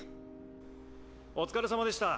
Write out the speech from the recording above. お疲れさまでした。